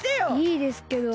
いいですけど。